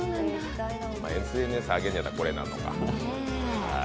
ＳＮＳに上げるんやったら、これなのか。